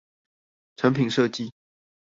產品設計